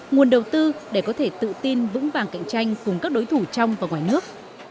nguồn đầu tư để có thể tự tin vững vàng cạnh tranh cùng các đối thủ trong và ngoài nước